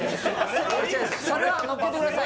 それはのっけてください